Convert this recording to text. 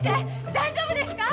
大丈夫ですか？